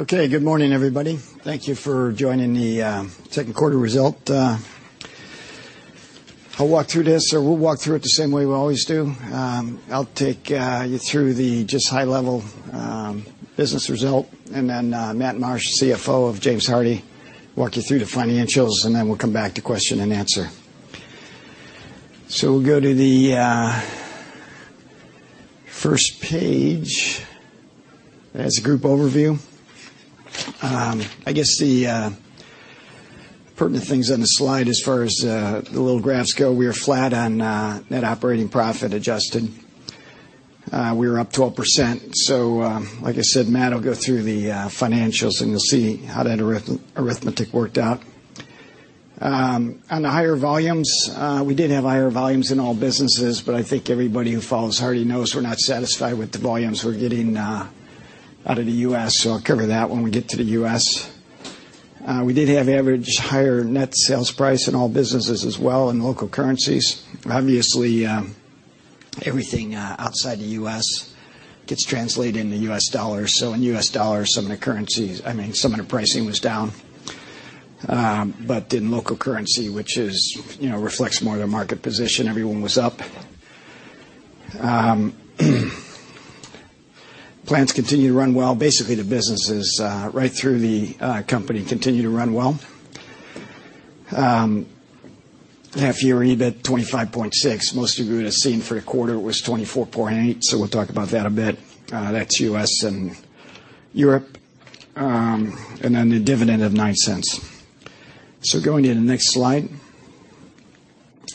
Okay, good morning, everybody. Thank you for joining the second quarter result. I'll walk through this, or we'll walk through it the same way we always do. I'll take you through the just high level business result, and then Matt Marsh, CFO of James Hardie, walk you through the financials, and then we'll come back to question and answer. So we'll go to the first page. That's a group overview. I guess the pertinent things on the slide as far as the little graphs go, we are flat on net operating profit adjusted. We are up 12%, so like I said, Matt will go through the financials, and you'll see how that arithmetic worked out. On the higher volumes, we did have higher volumes in all businesses, but I think everybody who follows Hardie knows we're not satisfied with the volumes we're getting out of the U.S., so I'll cover that when we get to the U.S. We did have average higher net sales price in all businesses as well, in local currencies. Obviously, everything outside the U.S. gets translated into U.S. dollars. So in U.S. dollars, some of the currencies, I mean, some of the pricing was down, but in local currency, which is, you know, reflects more of the market position, everyone was up. Plans continue to run well. Basically, the businesses right through the company continue to run well. Half year EBIT, 25.6. Most of you would have seen for a quarter, it was 24.8, so we'll talk about that a bit. That's U.S. and Europe, and then a dividend of $0.09. So going to the next slide,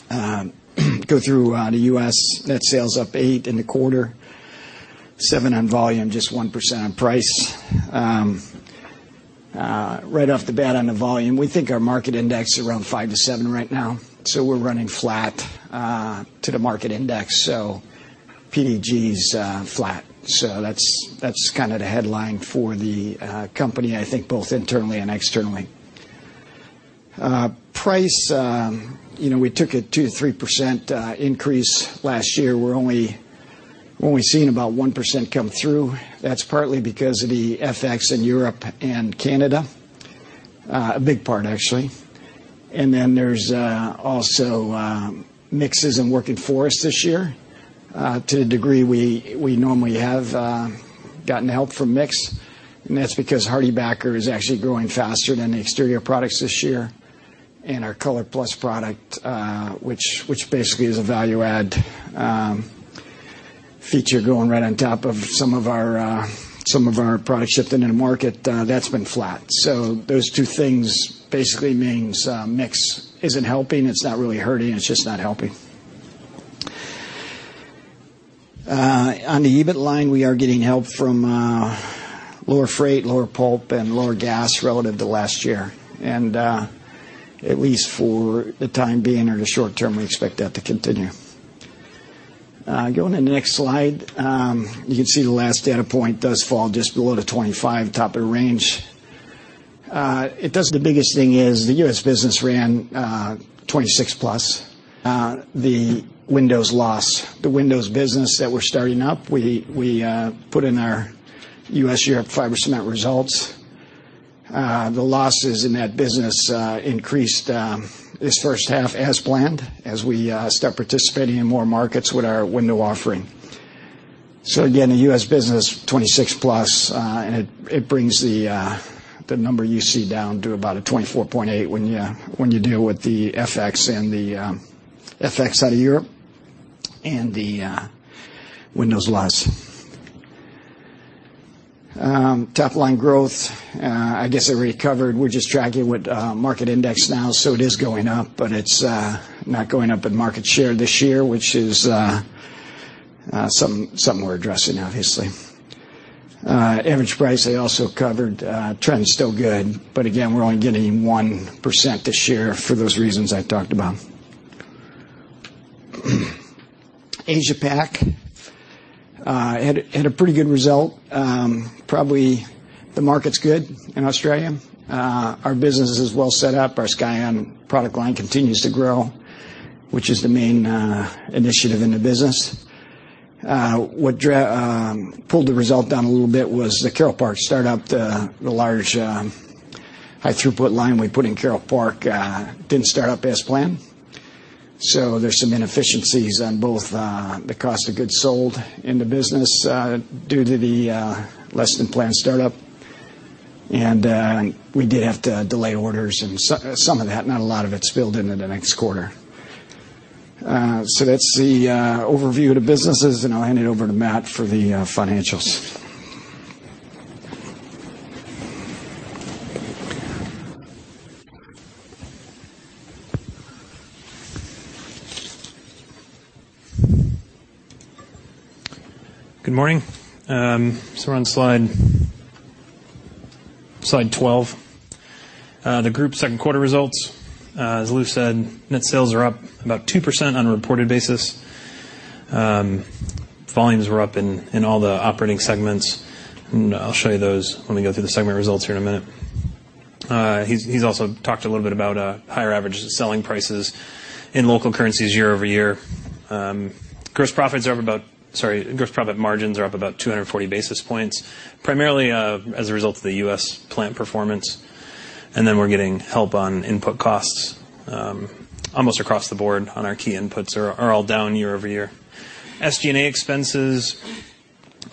go through the U.S. Net sales up 8% in the quarter, 7% on volume, just 1% on price. Right off the bat, on the volume, we think our market index around 5-7 right now, so we're running flat to the market index. So PDG's flat, so that's kind of the headline for the company, I think both internally and externally. Price, you know, we took a 2-3% increase last year. We're only seeing about 1% come through. That's partly because of the FX in Europe and Canada. A big part, actually. And then there's also mix isn't working for us this year to the degree we normally have gotten help from mix, and that's because HardieBacker is actually growing faster than the exterior products this year. And our ColorPlus product, which basically is a value-add feature going right on top of some of our products shipped into the market, that's been flat. So those two things basically means mix isn't helping. It's not really hurting, it's just not helping. On the EBIT line, we are getting help from lower freight, lower pulp, and lower gas relative to last year. And at least for the time being, or the short term, we expect that to continue. Going to the next slide, you can see the last data point does fall just below the 25%, top of the range. The biggest thing is the U.S. business ran 26% plus. The Windows loss, the Windows business that we're starting up, we put in our U.S., Europe fiber cement results. The losses in that business increased this first half as planned, as we start participating in more markets with our window offering. So again, the U.S. business, 26% plus, and it brings the number you see down to about a 24.8%, when you deal with the FX and the FX out of Europe and the Windows loss. Top line growth, I guess I already covered. We're just tracking with market index now, so it is going up, but it's not going up in market share this year, which is something we're addressing, obviously. Average price, I also covered. Trend is still good, but again, we're only getting 1% this year for those reasons I talked about. Asia Pac had a pretty good result. Probably the market's good in Australia. Our business is well set up. Our Scyon product line continues to grow, which is the main initiative in the business. What pulled the result down a little bit was the Carole Park start up. The large high throughput line we put in Carole Park didn't start up as planned, so there's some inefficiencies on both the cost of goods sold in the business due to the less than planned start-up. And we did have to delay orders, and so some of that, not a lot of it, spilled into the next quarter. So that's the overview of the businesses, and I'll hand it over to Matt for the financials. Good morning. So we're on slide 12. The group's second quarter results, as Lou said, net sales are up about 2% on a reported basis. Volumes were up in all the operating segments, and I'll show you those when we go through the segment results here in a minute. He's also talked a little bit about higher average selling prices in local currencies year-over-year. Gross profits are up about—Sorry, gross profit margins are up about two hundred and forty basis points, primarily as a result of the US plant performance. And then we're getting help on input costs, almost across the board on our key inputs are all down year-over-year. SG&A expenses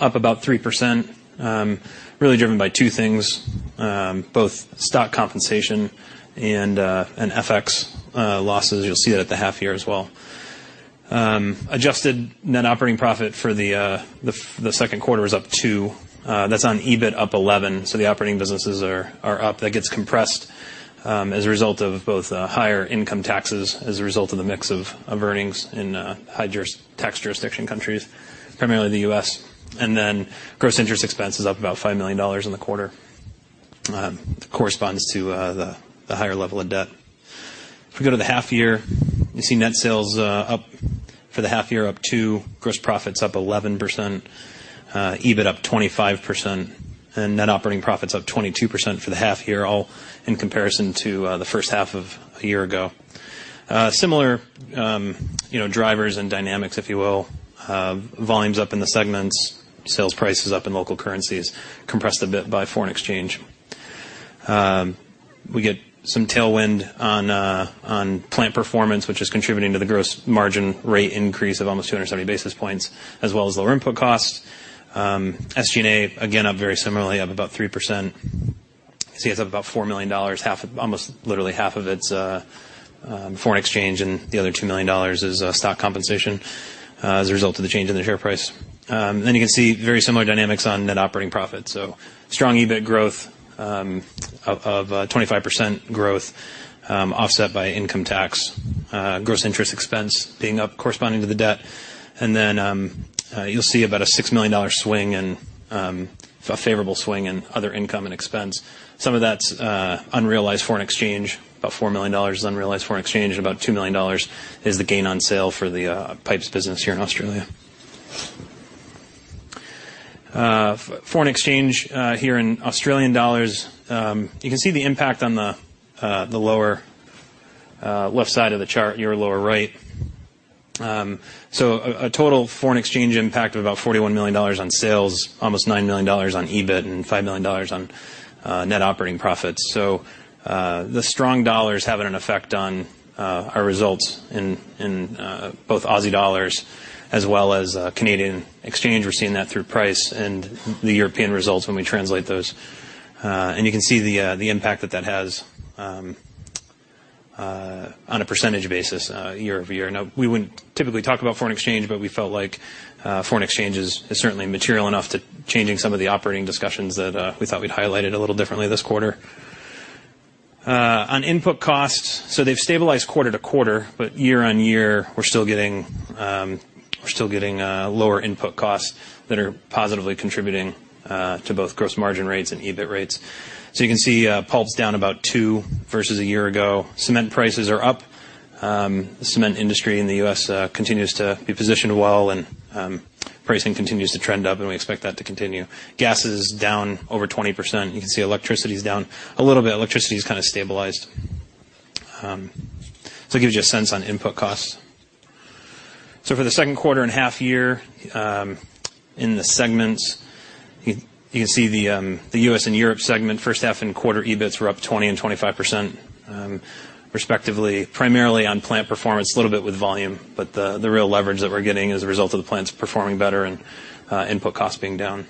up about 3%, really driven by two things, both stock compensation and FX losses. You'll see that at the half year as well. Adjusted net operating profit for the second quarter is up 2%, that's on EBIT up 11%, so the operating businesses are up. That gets compressed as a result of both higher income taxes, as a result of the mix of earnings in high tax jurisdiction countries, primarily the US. And then gross interest expense is up about $5 million in the quarter, corresponds to the higher level of debt. If we go to the half year, you see net sales up for the half year, up 2%, gross profits up 11%, EBIT up 25%, and net operating profits up 22% for the half year, all in comparison to the first half of a year ago. Similar, you know, drivers and dynamics, if you will. Volumes up in the segments, sales prices up in local currencies, compressed a bit by foreign exchange. We get some tailwind on plant performance, which is contributing to the gross margin rate increase of almost two hundred and seventy basis points, as well as lower input costs. SG&A, again, up very similarly, up about 3%. You have about $4 million, half of almost literally half of it's foreign exchange, and the other $2 million is stock compensation as a result of the change in the share price. Then you can see very similar dynamics on net operating profits. Strong EBIT growth of 25% growth, offset by income tax, gross interest expense being up corresponding to the debt. You'll see about a $6 million swing and a favorable swing in other income and expense. Some of that's unrealized foreign exchange. About $4 million is unrealized foreign exchange, and about $2 million is the gain on sale for the pipes business here in Australia. Foreign exchange here in Australian dollars. You can see the impact on the lower left side of the chart, your lower right. So a total foreign exchange impact of about $41 million on sales, almost $9 million on EBIT, and $5 million on net operating profits. The strong dollar is having an effect on our results in both Aussie dollars as well as Canadian exchange. We're seeing that through price and the European results when we translate those, and you can see the impact that that has on a percentage basis year-over-year. Now, we wouldn't typically talk about foreign exchange, but we felt like foreign exchange is certainly material enough to changing some of the operating discussions that we thought we'd highlight it a little differently this quarter. On input costs, so they've stabilized quarter to quarter, but year-on-year, we're still getting lower input costs that are positively contributing to both gross margin rates and EBIT rates, so you can see pulp's down about two versus a year ago. Cement prices are up. The cement industry in the U.S. continues to be positioned well, and pricing continues to trend up, and we expect that to continue. Gas is down over 20%. You can see electricity is down a little bit. Electricity is kind of stabilized. So it gives you a sense on input costs. So for the second quarter and half year, in the segments, you can see the U.S. and Europe segment, first half and quarter EBITs were up 20% and 25%, respectively, primarily on plant performance, a little bit with volume, but the real leverage that we're getting as a result of the plants performing better and input costs being down.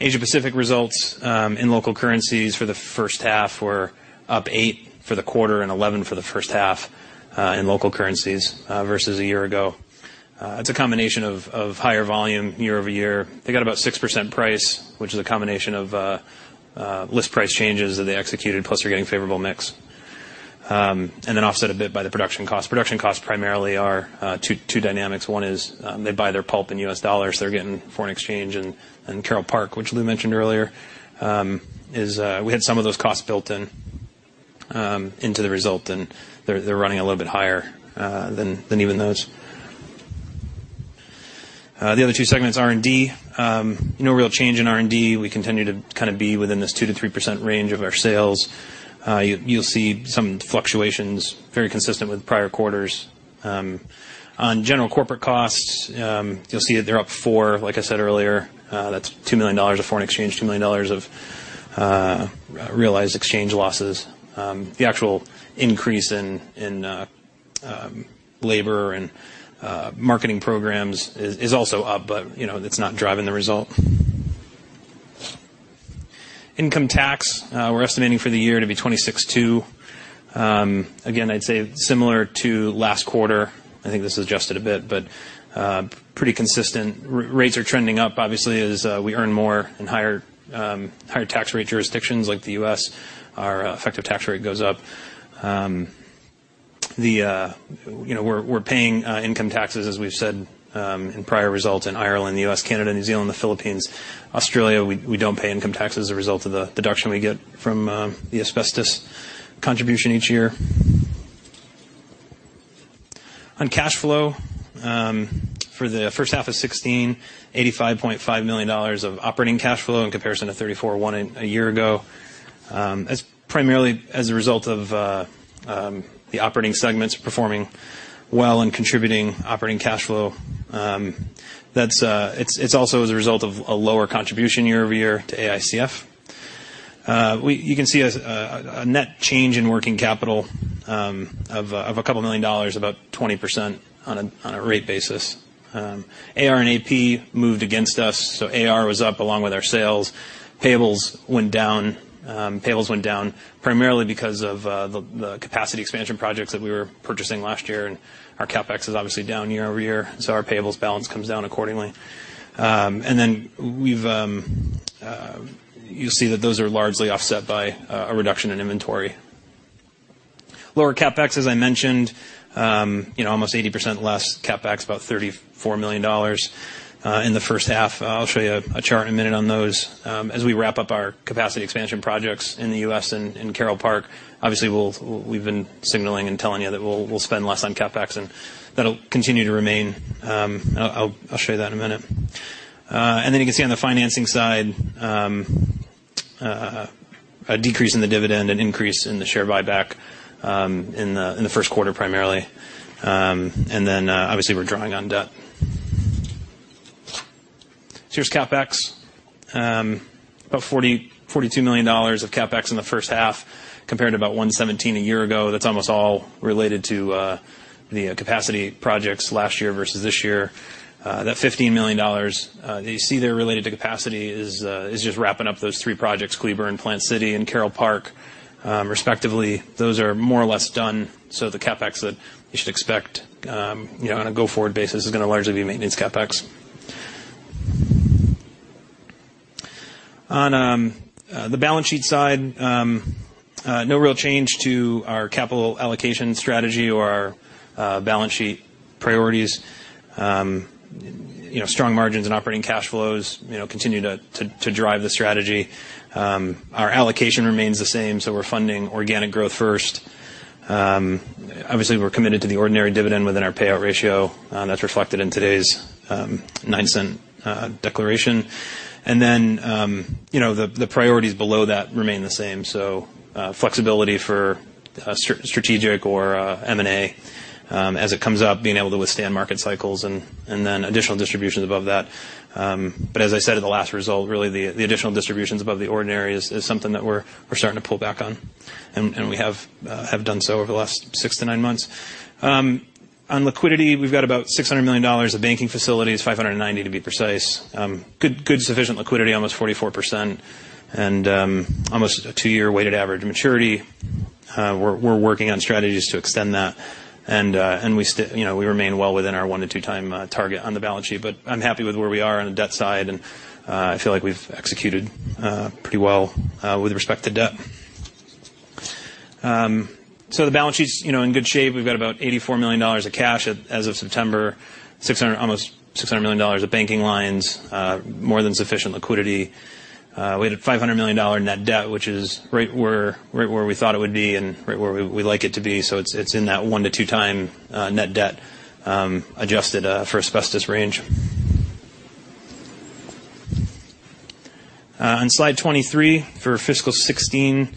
Asia Pacific results, in local currencies for the first half were up 8% for the quarter and 11% for the first half, in local currencies, versus a year ago. It's a combination of higher volume year-over-year. They got about 6% price, which is a combination of list price changes that they executed, plus they're getting favorable mix. And then offset a bit by the production cost. Production costs primarily are two dynamics. One is they buy their pulp in US dollars, they're getting foreign exchange. And Carole Park, which Lou mentioned earlier, is we had some of those costs built in into the result, and they're running a little bit higher than even those. The other two segments, R&D. No real change in R&D. We continue to kind of be within this 2-3% range of our sales. You, you'll see some fluctuations, very consistent with prior quarters. On general corporate costs, you'll see that they're up 4%. Like I said earlier, that's $2 million of foreign exchange, $2 million of realized exchange losses. The actual increase in labor and marketing programs is also up, but you know, that's not driving the result. Income tax, we're estimating for the year to be 26.2%. Again, I'd say similar to last quarter, I think this is adjusted a bit, but pretty consistent. Rates are trending up, obviously, as we earn more in higher tax rate jurisdictions like the US, our effective tax rate goes up. The... You know, we're paying income taxes, as we've said, in prior results in Ireland, the US, Canada, New Zealand, the Philippines. Australia, we don't pay income taxes as a result of the deduction we get from the asbestos contribution each year. On cash flow, for the first half of 2016, $85.5 million of operating cash flow in comparison to $34.1 million a year ago. As primarily a result of the operating segments performing well and contributing operating cash flow. That's also as a result of a lower contribution year over year to AICF. You can see a net change in working capital of a couple million dollars, about 20% on a rate basis. AR and AP moved against us, so AR was up along with our sales. Payables went down primarily because of the capacity expansion projects that we were purchasing last year, and our CapEx is obviously down year over year, so our payables balance comes down accordingly. And then you'll see that those are largely offset by a reduction in inventory. Lower CapEx, as I mentioned, you know, almost 80% less CapEx, about $34 million in the first half. I'll show you a chart in a minute on those. As we wrap up our capacity expansion projects in the US and in Carole Park, obviously, we've been signaling and telling you that we'll spend less on CapEx, and that'll continue to remain. I'll show you that in a minute. And then you can see on the financing side, a decrease in the dividend and increase in the share buyback, in the first quarter, primarily. And then, obviously, we're drawing on debt, so here's CapEx. About $42 million of CapEx in the first half, compared to about $117 million a year ago. That's almost all related to the capacity projects last year versus this year. That $15 million that you see there related to capacity is just wrapping up those three projects, Cleburne, Plant City, and Carole Park, respectively. Those are more or less done, so the CapEx that you should expect, you know, on a go-forward basis is gonna largely be maintenance CapEx. On the balance sheet side, no real change to our capital allocation strategy or our balance sheet priorities. You know, strong margins and operating cash flows, you know, continue to drive the strategy. Our allocation remains the same, so we're funding organic growth first. Obviously, we're committed to the ordinary dividend within our payout ratio, that's reflected in today's $0.09 declaration. You know, the priorities below that remain the same, so flexibility for strategic or M&A, as it comes up, being able to withstand market cycles and then additional distributions above that. But as I said at the last result, the additional distributions above the ordinary is something that we're starting to pull back on, and we have done so over the last six to nine months. On liquidity, we've got about $600 million of banking facilities, $590 million to be precise. Good sufficient liquidity, almost 44%, and almost a two-year weighted average maturity. We're working on strategies to extend that, and you know, we remain well within our one to two time target on the balance sheet, but I'm happy with where we are on the debt side, and I feel like we've executed pretty well with respect to debt. So the balance sheet's you know, in good shape. We've got about $84 million of cash as of September, almost $600 million of banking lines, more than sufficient liquidity. We had a $500 million net debt, which is right where we thought it would be and right where we'd like it to be. So it's in that one to two times net debt adjusted for asbestos range. On slide 23, for fiscal 2016,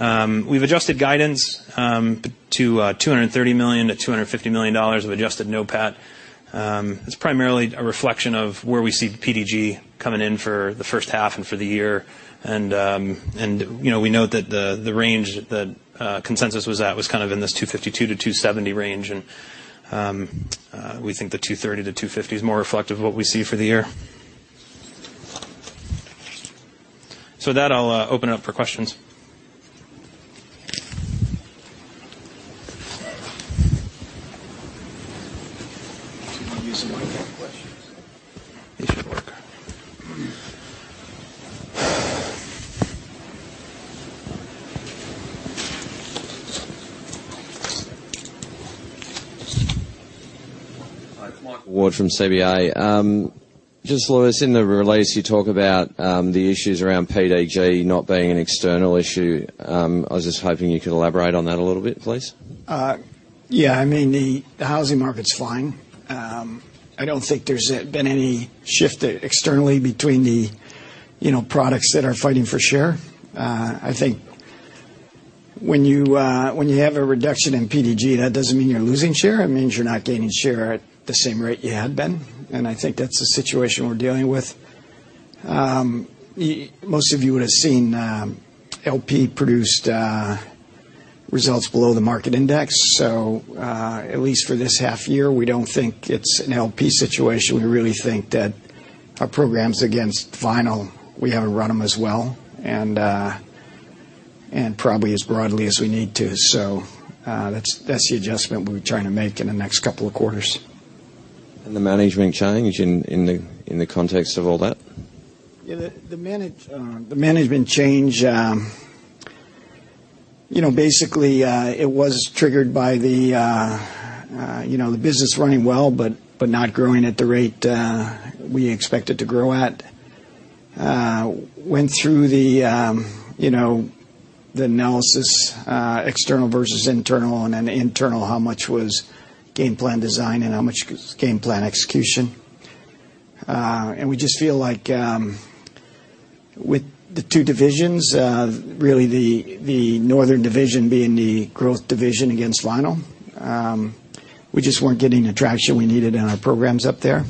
we've adjusted guidance to $230 million-$250 million of adjusted NOPAT. It's primarily a reflection of where we see the PDG coming in for the first half and for the year. You know, we know that the range that consensus was at was kind of in this $252-$270 range, and we think the $230-$250 is more reflective of what we see for the year, so with that, I'll open it up for questions. Do you want to use the microphone for questions? It should work. Hi, Michael Ward from CBA. Just Louis, in the release, you talk about the issues around PDG not being an external issue. I was just hoping you could elaborate on that a little bit, please. Yeah, I mean, the housing market's fine. I don't think there's been any shift externally between the, you know, products that are fighting for share. I think when you have a reduction in PDG, that doesn't mean you're losing share, it means you're not gaining share at the same rate you had been, and I think that's the situation we're dealing with. Most of you would have seen LP produced results below the market index, so at least for this half year, we don't think it's an LP situation. We really think that our programs against vinyl, we haven't run them as well, and probably as broadly as we need to. So that's the adjustment we're trying to make in the next couple of quarters. The management change in the context of all that? Yeah, the management change, you know, basically, it was triggered by the, you know, the business running well, but not growing at the rate we expect it to grow at. Went through the, you know, the analysis, external versus internal, and then internal, how much was game plan design and how much was game plan execution? And we just feel like, with the two divisions, really the northern division being the growth division against vinyl, we just weren't getting the traction we needed in our programs up there.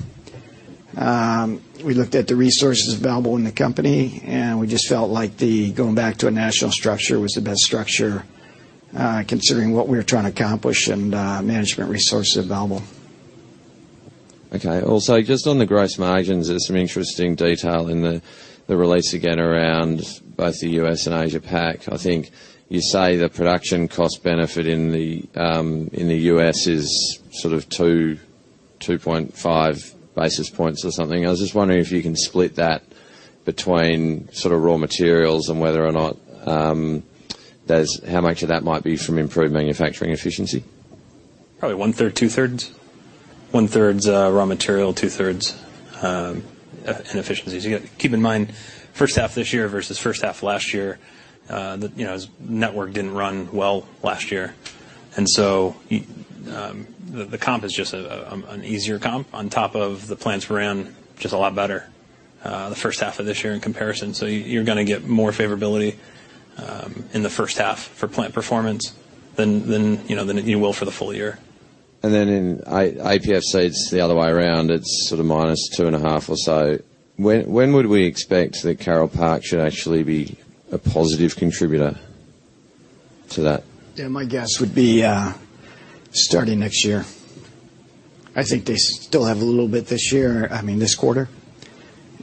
We looked at the resources available in the company, and we just felt like the going back to a national structure was the best structure, considering what we were trying to accomplish and management resources available. Okay. Also, just on the gross margins, there's some interesting detail in the release again, around both the U.S. and Asia-Pac. I think you say the production cost benefit in the U.S. is sort of two point five basis points or something. I was just wondering if you can split that between sort of raw materials and whether or not there's how much of that might be from improved manufacturing efficiency. Probably one-third, two-thirds. One-third's raw material, two-thirds inefficiencies. Keep in mind, first half this year versus first half last year, the you know, network didn't run well last year. And so the comp is just a an easier comp on top of the plants ran just a lot better, the first half of this year in comparison. So you're gonna get more favorability in the first half for plant performance than you know, than you will for the full year. Then in APFC, it's the other way around. It's sort of minus two and a half or so. When would we expect that Carole Park should actually be a positive contributor to that? Yeah, my guess would be starting next year. I think they still have a little bit this year, I mean, this quarter.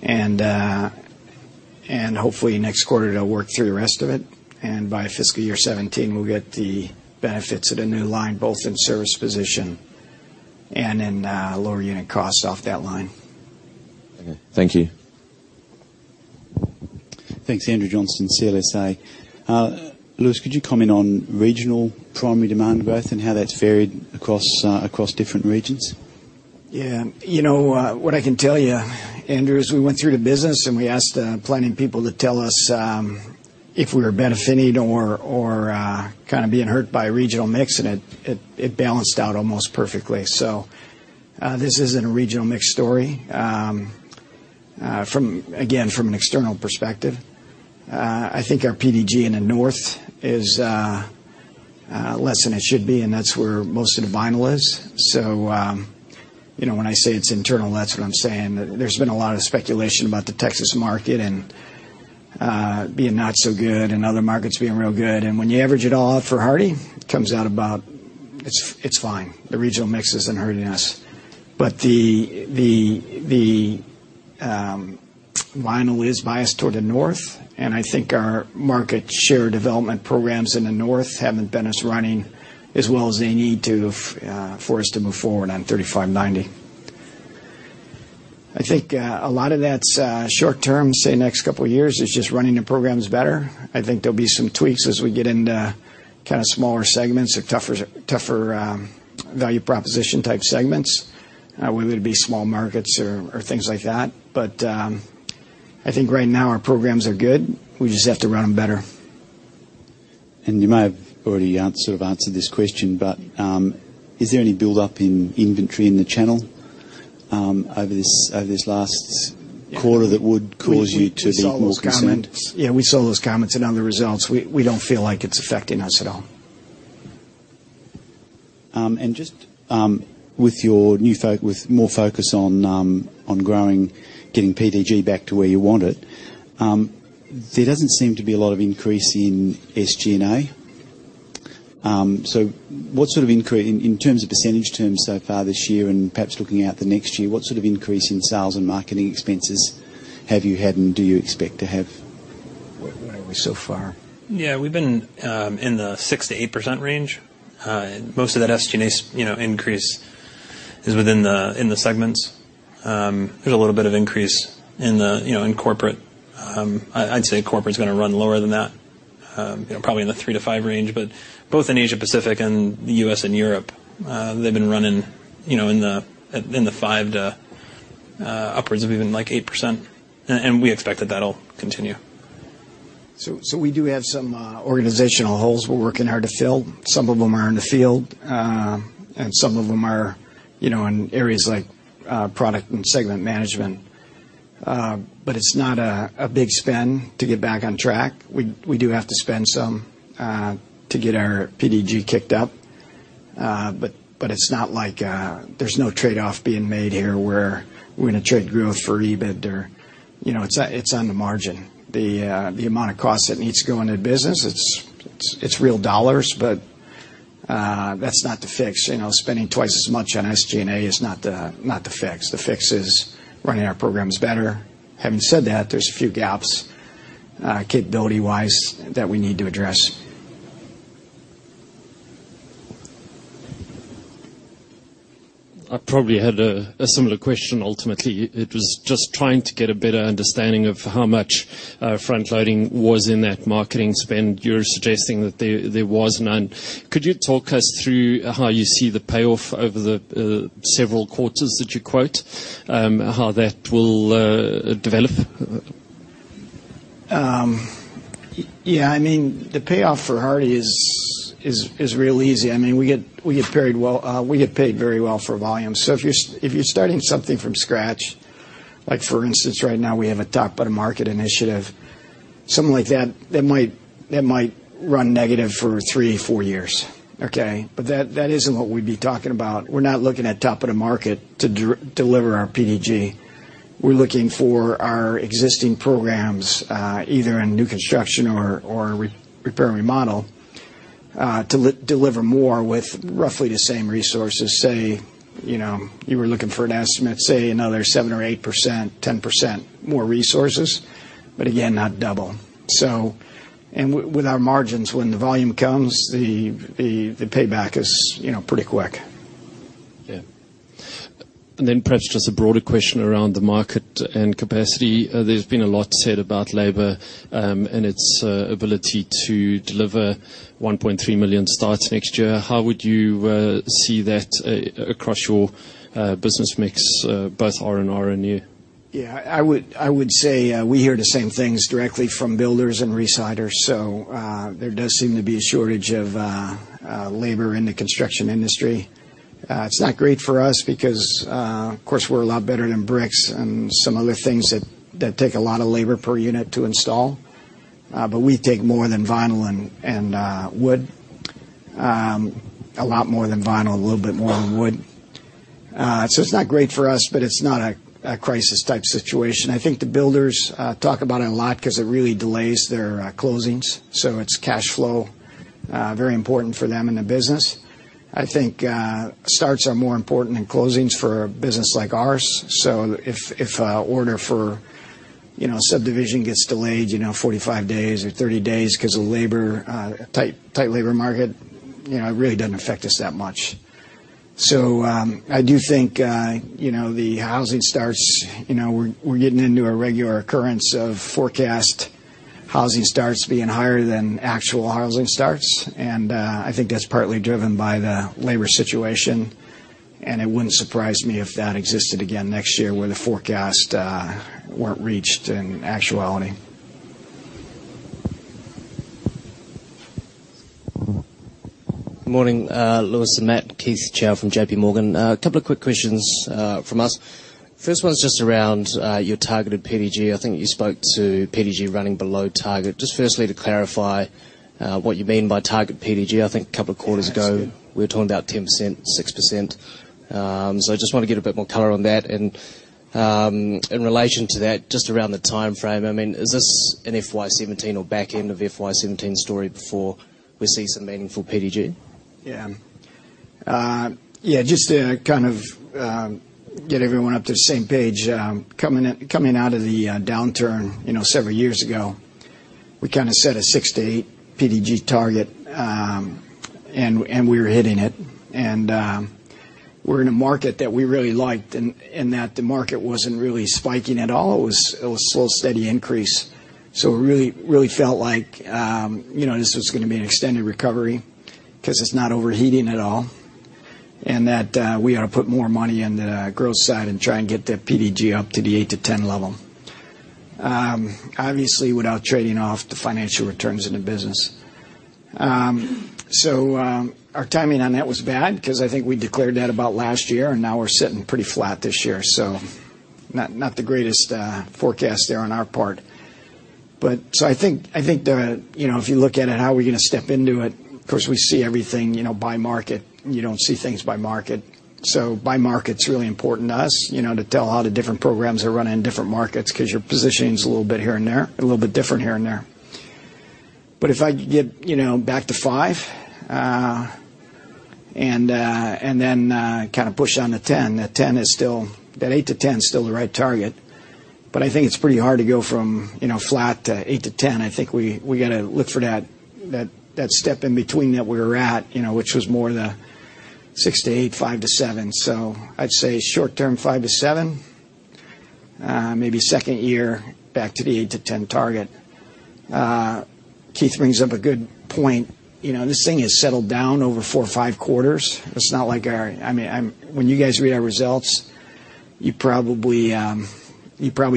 And hopefully next quarter, they'll work through the rest of it, and by fiscal year 2017, we'll get the benefits of the new line, both in service position and in lower unit costs off that line. Okay. Thank you. Thanks, Andrew Johnston, CLSA. Louis, could you comment on regional primary demand growth and how that's varied across different regions? Yeah. You know, what I can tell you, Andrew, is we went through the business, and we asked plenty of people to tell us if we were benefiting or kind of being hurt by regional mix, and it balanced out almost perfectly. So, this isn't a regional mix story. From again, from an external perspective, I think our PDG in the North is less than it should be, and that's where most of the vinyl is. So, you know, when I say it's internal, that's what I'm saying. There's been a lot of speculation about the Texas market and being not so good and other markets being real good, and when you average it all out for Hardie, it comes out about... It's fine. The regional mix isn't hurting us. But the vinyl is biased toward the North, and I think our market share development programs in the North haven't been as running as well as they need to for us to move forward on 35/90 I think a lot of that's short term, say, next couple of years, is just running the programs better. I think there'll be some tweaks as we get into kind of smaller segments or tougher value proposition type segments, whether it be small markets or things like that. But I think right now, our programs are good. We just have to run them better. You may have already sort of answered this question, but is there any buildup in inventory in the channel over this last quarter that would cause you to be more concerned? Yeah, we saw those comments and on the results, we don't feel like it's affecting us at all. And just with more focus on growing, getting PDG back to where you want it, there doesn't seem to be a lot of increase in SG&A. So what sort of increase in terms of percentage terms so far this year, and perhaps looking at the next year, what sort of increase in sales and marketing expenses have you had, and do you expect to have? Where are we so far? Yeah, we've been in the 6-8% range. Most of that SG&A, you know, increase is within the segments. There's a little bit of increase in the, you know, in corporate. I'd say corporate is gonna run lower than that, you know, probably in the 3-5% range, but both in Asia Pacific and the US and Europe, they've been running, you know, in the five to upwards of even, like, 8%, and we expect that that'll continue. So we do have some organizational holes we're working hard to fill. Some of them are in the field, and some of them are, you know, in areas like product and segment management. But it's not a big spend to get back on track. We do have to spend some to get our PDG kicked up. But it's not like there's no trade-off being made here where we're gonna trade growth for EBIT or... You know, it's on the margin. The amount of cost that needs to go into the business, it's real dollars, but that's not the fix. You know, spending twice as much on SG&A is not the fix. The fix is running our programs better. Having said that, there's a few gaps, capability-wise, that we need to address. I probably had a similar question ultimately. It was just trying to get a better understanding of how much front-loading was in that marketing spend. You're suggesting that there was none. Could you talk us through how you see the payoff over the several quarters that you quote, how that will develop? ...Yeah, I mean, the payoff for Hardie is real easy. I mean, we get paid well, we get paid very well for volume. So if you're starting something from scratch, like for instance, right now we have a top-of-the-market initiative, something like that, that might run negative for three, four years, okay? But that isn't what we'd be talking about. We're not looking at top-of-the-market to deliver our PDG. We're looking for our existing programs, either in new construction or repair and remodel, to deliver more with roughly the same resources. Say, you know, you were looking for an estimate, say, another 7% or 8%, 10% more resources, but again, not double. With our margins, when the volume comes, the payback is, you know, pretty quick. Yeah. And then perhaps just a broader question around the market and capacity. There's been a lot said about labor and its ability to deliver 1.3 million starts next year. How would you see that across your business mix, both R&R and new? Yeah, I would say we hear the same things directly from builders and residents. So, there does seem to be a shortage of labor in the construction industry. It's not great for us because of course, we're a lot better than bricks and some other things that take a lot of labor per unit to install. But we take more than vinyl and wood. A lot more than vinyl, a little bit more than wood. So it's not great for us, but it's not a crisis type situation. I think the builders talk about it a lot because it really delays their closings, so it's cash flow, very important for them in the business. I think starts are more important than closings for a business like ours. So if an order for, you know, subdivision gets delayed, you know, forty-five days or thirty days because of labor, tight labor market, you know, it really doesn't affect us that much. So, I do think, you know, the housing starts, you know, we're getting into a regular occurrence of forecast housing starts being higher than actual housing starts, and, I think that's partly driven by the labor situation, and it wouldn't surprise me if that existed again next year, where the forecast weren't reached in actuality. Good morning, Louis and Matt. Keith Chau from JPMorgan. A couple of quick questions from us. First one is just around your targeted PDG. I think you spoke to PDG running below target. Just firstly, to clarify, what you mean by target PDG. I think a couple of quarters ago- Yeah. We were talking about 10%, 6%. So I just want to get a bit more color on that and, in relation to that, just around the time frame. I mean, is this an FY 2017 or back end of FY 2017 story before we see some meaningful PDG? Yeah. Yeah, just to kind of get everyone up to the same page, coming out of the downturn, you know, several years ago, we kind of set a six to eight PDG target, and we were hitting it. And, we're in a market that we really liked and that the market wasn't really spiking at all. It was a slow, steady increase. So it really, really felt like, you know, this was gonna be an extended recovery because it's not overheating at all, and that we ought to put more money in the growth side and try and get the PDG up to the eight to 10 level. Obviously, without trading off the financial returns in the business. So, our timing on that was bad because I think we declared that about last year, and now we're sitting pretty flat this year, so not the greatest forecast there on our part. But. So I think, you know, if you look at it, how are we gonna step into it? Of course, we see everything, you know, by market. You don't see things by market. So by market, it's really important to us, you know, to tell how the different programs are running in different markets, because your positioning is a little bit here and there, a little bit different here and there. But if I get, you know, back to five, and then kind of push on the ten, the ten is still... That eight to ten is still the right target, but I think it's pretty hard to go from, you know, flat to eight to ten. I think we got to look for that step in between that we were at, you know, which was more the six to eight, five to seven. So I'd say short term, five to seven, maybe second year, back to the eight to ten target. Keith brings up a good point. You know, this thing has settled down over four or five quarters. It's not like our - I mean, when you guys read our results, you probably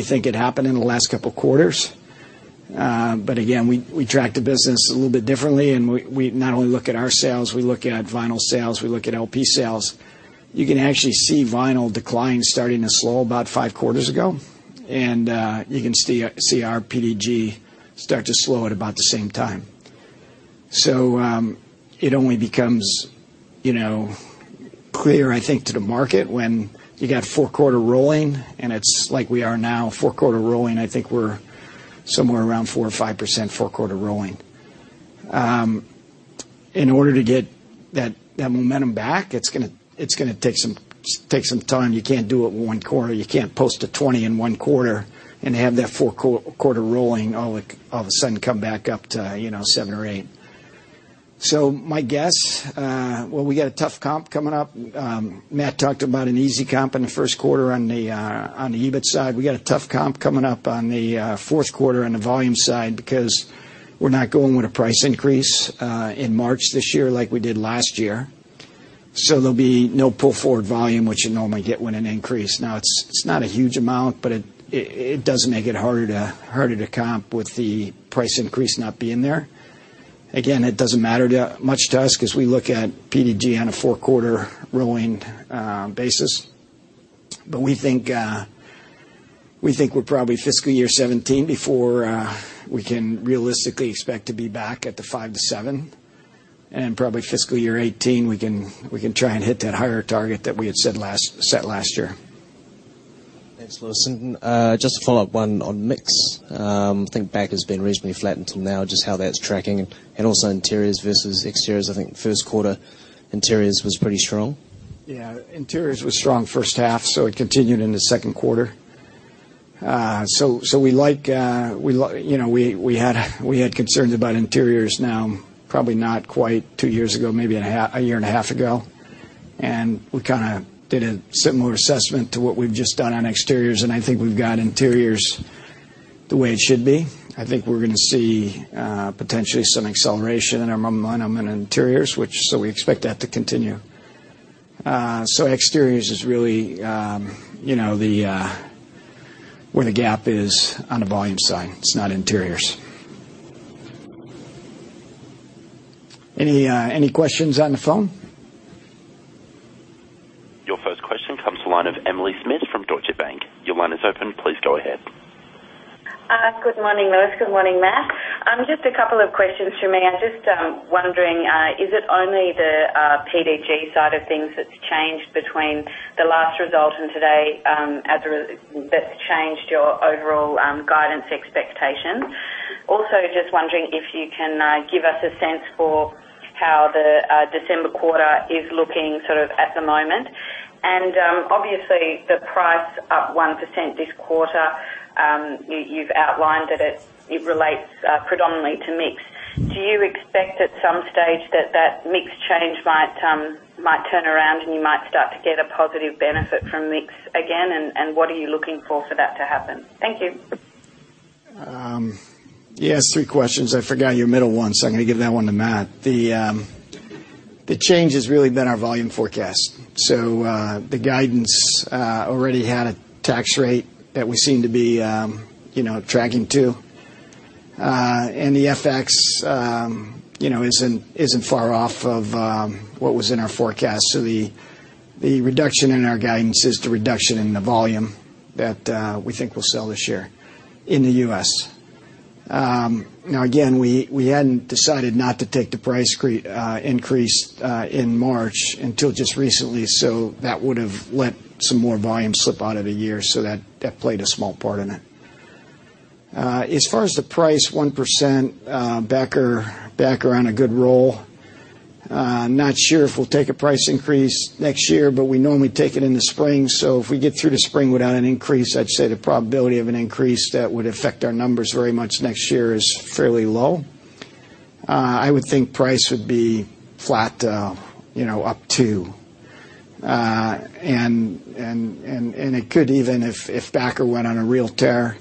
think it happened in the last couple of quarters. But again, we track the business a little bit differently, and we not only look at our sales, we look at vinyl sales, we look at LP sales. You can actually see vinyl decline starting to slow about five quarters ago, and you can see our PDG start to slow at about the same time. So, it only becomes, you know, clear, I think, to the market when you get four quarter rolling, and it's like we are now four quarter rolling. I think we're somewhere around 4% or 5%, four quarter rolling. In order to get that momentum back, it's gonna take some time. You can't do it one quarter. You can't post a twenty in one quarter and have that four-quarter rolling all like, all of a sudden come back up to, you know, seven or eight. So my guess, well, we got a tough comp coming up. Matt talked about an easy comp in the first quarter on the EBIT side. We got a tough comp coming up on the fourth quarter on the volume side, because we're not going with a price increase in March this year like we did last year. So there'll be no pull-forward volume, which you normally get when an increase. Now, it's not a huge amount, but it does make it harder to comp with the price increase not being there. Again, it doesn't matter that much to us because we look at PDG on a four-quarter rolling basis. But we think we're probably fiscal year 2017 before we can realistically expect to be back at the five to seven, and probably fiscal year 2018, we can try and hit that higher target that we had said last year. Thanks, Louis. And just a follow-up one on mix. I think Backer has been reasonably flat until now, just how that's tracking, and also interiors versus exteriors. I think first quarter, interiors was pretty strong. Yeah, interiors was strong first half, so it continued in the second quarter. So we like, you know, we had concerns about interiors now, probably not quite two years ago, maybe a half, a year and a half ago. We kinda did a similar assessment to what we've just done on exteriors, and I think we've got interiors the way it should be. I think we're gonna see potentially some acceleration in our momentum in interiors, which so we expect that to continue. So exteriors is really, you know, the where the gap is on the volume side, it's not interiors. Any questions on the phone? Your first question comes to the line of Emily Smith from Deutsche Bank. Your line is open. Please go ahead. Good morning, Louis. Good morning, Matt. Just a couple of questions from me. I'm just wondering, is it only the PDG side of things that's changed between the last result and today, as a result that's changed your overall guidance expectations? Also, just wondering if you can give us a sense for how the December quarter is looking sort of at the moment. And, obviously, the price up 1% this quarter, you've outlined that it relates predominantly to mix. Do you expect at some stage that that mix change might turn around, and you might start to get a positive benefit from mix again? And what are you looking for for that to happen? Thank you. You asked three questions. I forgot your middle one, so I'm gonna give that one to Matt. The change has really been our volume forecast. So, the guidance already had a tax rate that we seem to be, you know, tracking to. And the FX, you know, isn't far off of what was in our forecast. So the reduction in our guidance is the reduction in the volume that we think we'll sell this year in the US. Now, again, we hadn't decided not to take the price increase in March until just recently, so that would have let some more volume slip out of the year. So that played a small part in it. As far as the price, 1%, better on a good roll. Not sure if we'll take a price increase next year, but we normally take it in the spring, so if we get through the spring without an increase, I'd say the probability of an increase that would affect our numbers very much next year is fairly low. I would think price would be flat, it could even if, if Backer went on a real tear,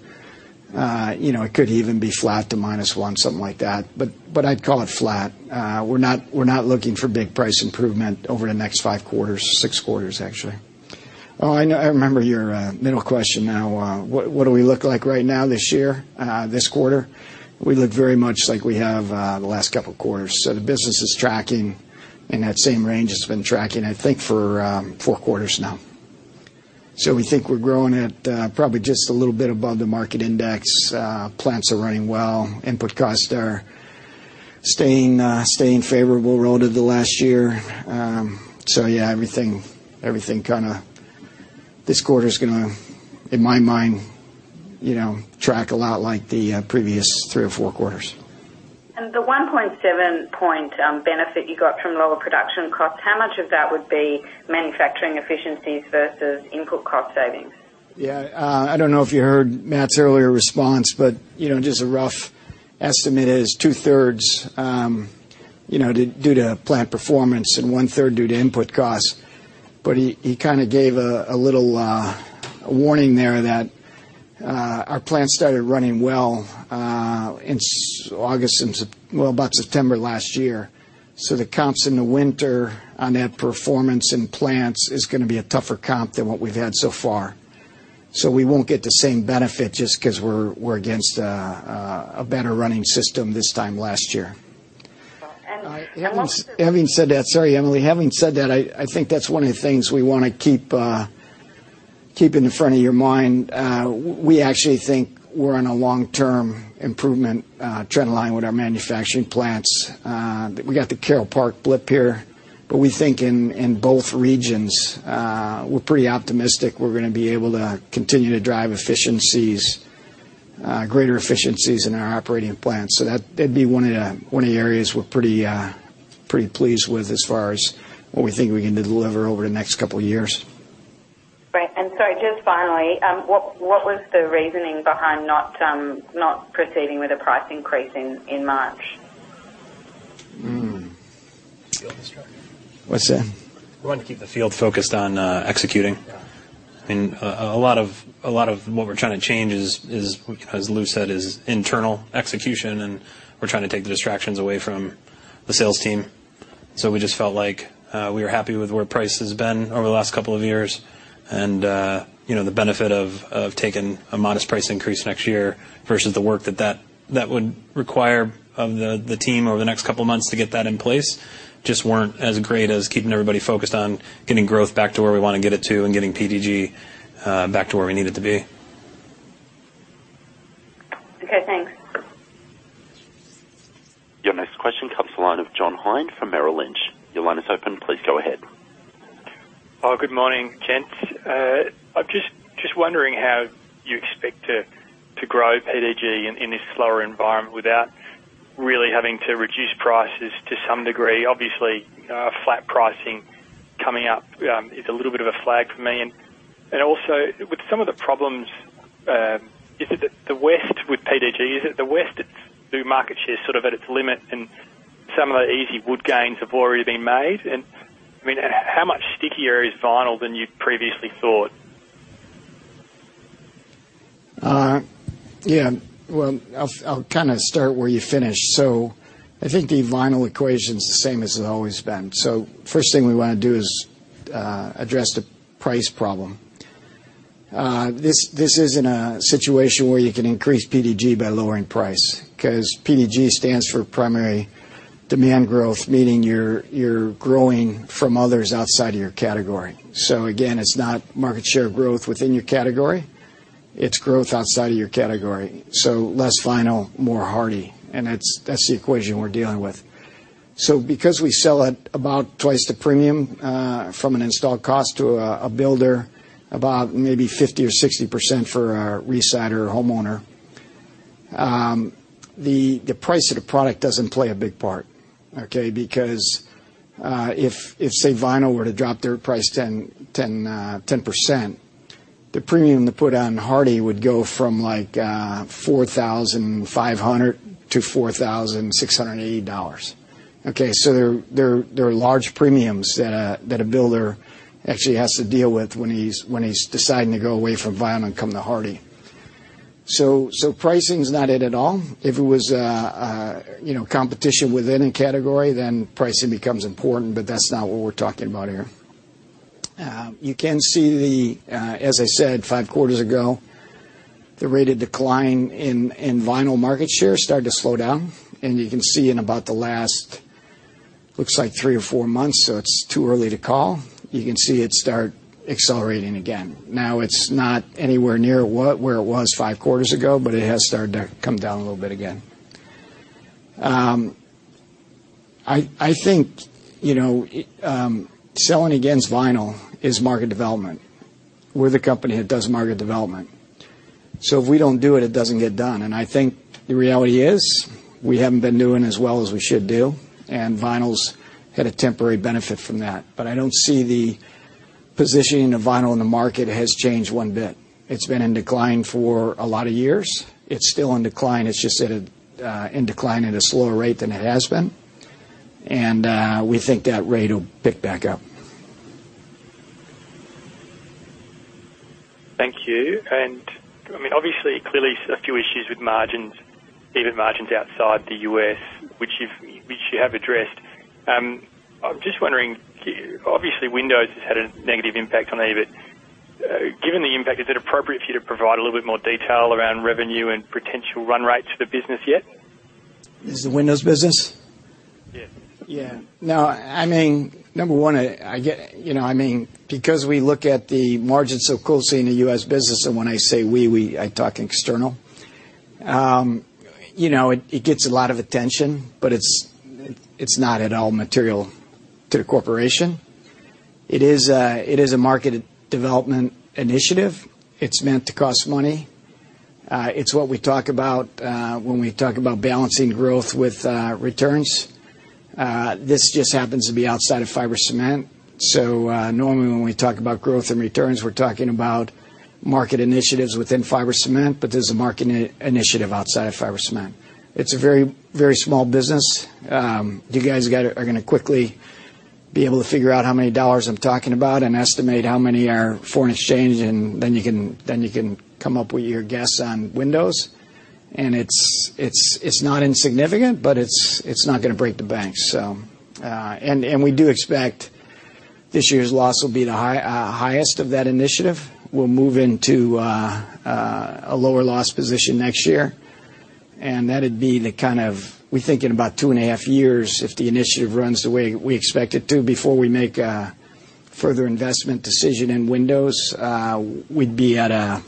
you know, it could even be flat to minus one, something like that. But I'd call it flat. We're not looking for big price improvement over the next five quarters, six quarters, actually. Oh, I know, I remember your middle question now. What do we look like right now this year, this quarter? We look very much like we have, the last couple of quarters. So the business is tracking in that same range it's been tracking, I think, for, four quarters now. So we think we're growing at, probably just a little bit above the market index. Plants are running well, input costs are staying, staying favorable relative to last year. So yeah, everything, everything kinda... This quarter is gonna, in my mind, you know, track a lot like the, previous three or four quarters. The 1.7-point benefit you got from lower production costs, how much of that would be manufacturing efficiencies versus input cost savings? Yeah, I don't know if you heard Matt's earlier response, but you know, just a rough estimate is two-thirds, you know, due to plant performance and one-third due to input costs. But he kinda gave a little warning there that our plants started running well in August and well, about September last year. So the comps in the winter on that performance in plants is gonna be a tougher comp than what we've had so far. So we won't get the same benefit just 'cause we're against a better running system this time last year. And- Having said that, sorry, Emily. Having said that, I think that's one of the things we wanna keep, keep in the front of your mind. We actually think we're on a long-term improvement trend line with our manufacturing plants. We got the Carole Park blip here, but we think in both regions, we're pretty optimistic we're gonna be able to continue to drive efficiencies, greater efficiencies in our operating plants. So that'd be one of the areas we're pretty, pretty pleased with as far as what we think we can deliver over the next couple of years. Great. And sorry, just finally, what was the reasoning behind not proceeding with a price increase in March? Hmm. Let's try. What's that? We want to keep the field focused on executing. I mean, a lot of what we're trying to change is, as Lou said, internal execution, and we're trying to take the distractions away from the sales team. So we just felt like we were happy with where price has been over the last couple of years. And you know, the benefit of taking a modest price increase next year versus the work that would require of the team over the next couple of months to get that in place, just weren't as great as keeping everybody focused on getting growth back to where we wanna get it to, and getting PDG back to where we need it to be. Okay, thanks. Your next question comes from the line of John Hein from Merrill Lynch. Your line is open. Please go ahead. Oh, good morning, gents. I'm just wondering how you expect to grow PDG in this slower environment without really having to reduce prices to some degree? Obviously, flat pricing coming up is a little bit of a flag for me. And also with some of the problems, is it that the West with PDG, is it the West that's new market share sort of at its limit, and some of the easy wood gains have already been made? And, I mean, how much stickier is vinyl than you previously thought? Yeah. Well, I'll kind of start where you finished. So I think the vinyl equation is the same as it's always been. So first thing we wanna do is address the price problem. This isn't a situation where you can increase PDG by lowering price, 'cause PDG stands for Primary Demand Growth, meaning you're growing from others outside of your category. So again, it's not market share growth within your category, it's growth outside of your category. So less vinyl, more Hardie, and that's the equation we're dealing with. So because we sell at about twice the premium from an installed cost to a builder, about maybe 50% or 60% for a re-sider or homeowner, the price of the product doesn't play a big part, okay? Because, if, say, vinyl were to drop their price 10%, the premium to put on Hardie would go from, like, $4,500 to $4,680. Okay, so there are large premiums that a builder actually has to deal with when he's deciding to go away from vinyl and come to Hardie. So pricing is not it at all. If it was a, you know, competition within a category, then pricing becomes important, but that's not what we're talking about here. You can see, as I said, five quarters ago, the rate of decline in vinyl market share started to slow down, and you can see in about the last, looks like three or four months, so it's too early to call. You can see it start accelerating again. Now, it's not anywhere near what, where it was five quarters ago, but it has started to come down a little bit again. I think, you know, selling against vinyl is market development. We're the company that does market development, so if we don't do it, it doesn't get done. And I think the reality is, we haven't been doing as well as we should do, and vinyl's had a temporary benefit from that. But I don't see the positioning of vinyl in the market has changed one bit. It's been in decline for a lot of years. It's still in decline. It's just at a, in decline at a slower rate than it has been. And we think that rate will pick back up. Thank you, and, I mean, obviously, clearly, a few issues with margins, even margins outside the U.S., which you've, which you have addressed. I'm just wondering, obviously, Windows has had a negative impact on EBIT. Given the impact, is it appropriate for you to provide a little bit more detail around revenue and potential run rates for the business yet? Is the Windows business? Yeah. Yeah. No, I mean, number one, I get. You know, I mean, because we look at the margins so closely in the U.S. business, and when I say we, I talk external. You know, it gets a lot of attention, but it's not at all material to the corporation. It is a market development initiative. It's meant to cost money. It's what we talk about when we talk about balancing growth with returns. This just happens to be outside of fiber cement. So, normally, when we talk about growth and returns, we're talking about market initiatives within fiber cement, but this is a market initiative outside of fiber cement. It's a very, very small business. You guys are gonna quickly be able to figure out how many dollars I'm talking about and estimate how many are foreign exchange, and then you can come up with your guess on Windows. And it's not insignificant, but it's not gonna break the bank. And we do expect this year's loss will be the highest of that initiative. We'll move into a lower loss position next year, and that'd be the kind of. We think in about two and a half years, if the initiative runs the way we expect it to, before we make a further investment decision in Windows, we'd be at a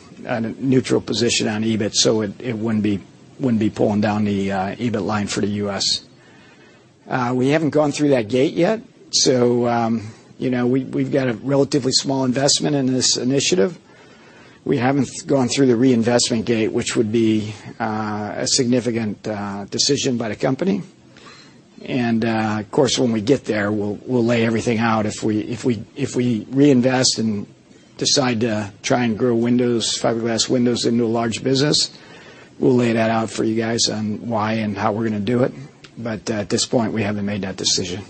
neutral position on EBIT, so it wouldn't be pulling down the EBIT line for the US. We haven't gone through that gate yet, so you know we've got a relatively small investment in this initiative. We haven't gone through the reinvestment gate, which would be a significant decision by the company, and of course when we get there we'll lay everything out. If we reinvest and decide to try and grow Windows, fiberglass Windows into a large business, we'll lay that out for you guys on why and how we're gonna do it, but at this point we haven't made that decision....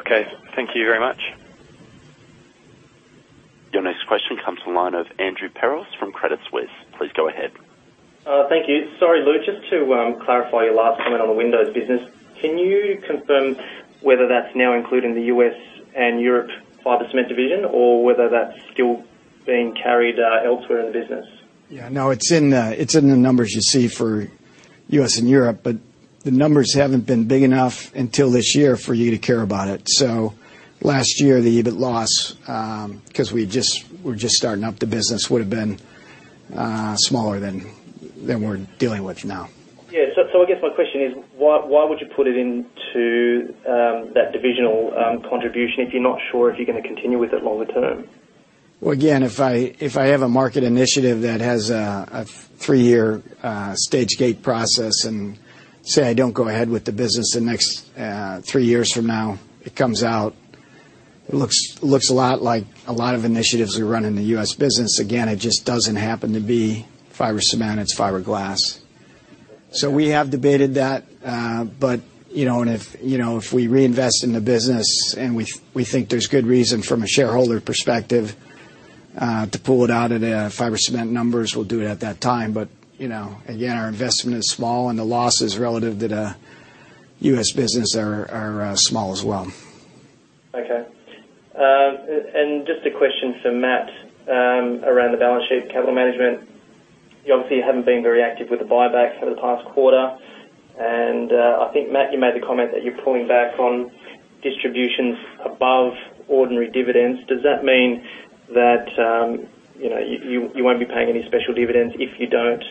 Okay, thank you very much. Your next question comes from the line of Andrew Peros from Credit Suisse. Please go ahead. Thank you. Sorry, Lou, just to clarify your last comment on the Windows business. Can you confirm whether that's now included in the U.S. and Europe Fiber Cement division, or whether that's still being carried elsewhere in the business? Yeah, no, it's in the numbers you see for US and Europe, but the numbers haven't been big enough until this year for you to care about it, so last year, the EBIT loss, 'cause we're just starting up the business, would have been smaller than we're dealing with now. Yeah. So, so I guess my question is, why, why would you put it into that divisional contribution if you're not sure if you're gonna continue with it longer term? Well, again, if I have a market initiative that has a three-year stage gate process, and say I don't go ahead with the business the next three years from now, it comes out, it looks a lot like a lot of initiatives we run in the US business. Again, it just doesn't happen to be fiber cement, it's fiberglass. So we have debated that, but you know, and if you know, if we reinvest in the business and we think there's good reason from a shareholder perspective to pull it out of the fiber cement numbers, we'll do it at that time. But you know, again, our investment is small and the losses relative to the US business are small as well. Okay. And just a question for Matt, around the balance sheet, capital management. You obviously haven't been very active with the buyback for the past quarter. And, I think, Matt, you made the comment that you're pulling back on distributions above ordinary dividends. Does that mean that, you know, you won't be paying any special dividends if you don't